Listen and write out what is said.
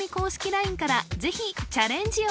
ＬＩＮＥからぜひチャレンジを！